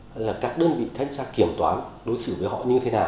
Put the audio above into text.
hay là các đơn vị thách giác kiểm toán đối xử với họ như thế nào